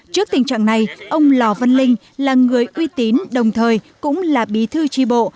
trước tình trạng này ông lò văn linh là người uy tín đồng thời cũng là bí thư tri bộ